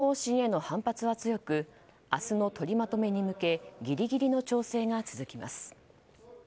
岸田総理大臣の増税方針への反発は強く明日の取りまとめに向けギリギリの調整が続きます。